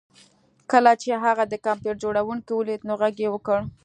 کله چې هغه د کمپیوټر جوړونکی ولید نو غږ یې وکړ